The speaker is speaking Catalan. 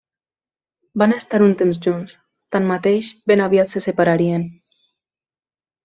Van estar un temps junts; tanmateix, ben aviat se separarien.